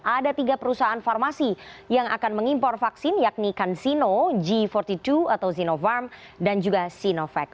ada tiga perusahaan farmasi yang akan mengimpor vaksin yakni cansino g empat puluh dua atau zinopharm dan juga sinovac